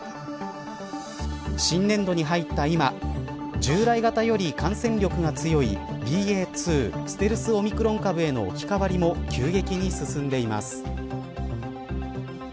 新年度に入った今従来型より感染力が強いＢＡ．２ステルスオミクロン株への置き換わりも急激に進んでいます。